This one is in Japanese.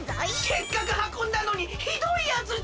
せっかくはこんだのにひどいやつじゃ！